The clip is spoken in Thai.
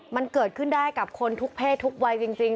มันเกิดขึ้นได้กับคนทุกเพศทุกวัยจริง